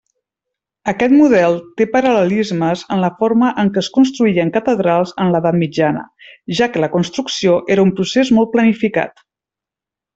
Aquest model té paral·lelismes en la forma en què es construïen catedrals en l'Edat Mitjana, ja que la construcció era un procés molt planificat.